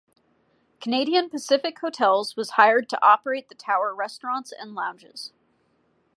Canadian Pacific Hotels was hired to operate the tower restaurants and lounges.